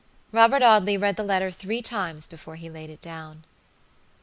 Robert Audley read the letter three times before he laid it down.